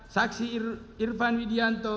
saksi irfan widianto